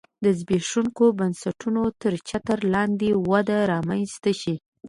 د زبېښونکو بنسټونو تر چتر لاندې وده رامنځته شي